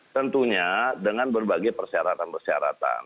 tentunya dengan berbagai persyaratan persyaratan